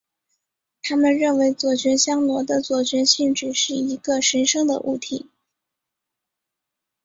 他们认为左旋香螺的左旋性质是一个神圣的物体。